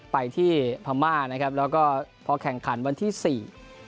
ไปที่พม่านะครับแล้วก็พอแข่งขันวันที่สี่